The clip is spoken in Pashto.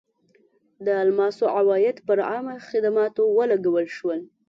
د الماسو عواید پر عامه خدماتو ولګول شول.